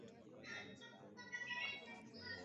makuu ni Moscow na Sankt Peterburg Moscow